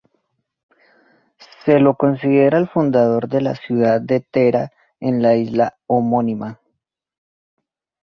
Se lo considera el fundador de la ciudad de Tera en la isla homónima.